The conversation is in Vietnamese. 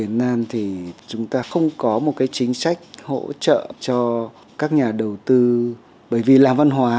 làm văn hóa thì chúng ta không có một cái chính sách hỗ trợ cho các nhà đầu tư bởi vì làm văn hóa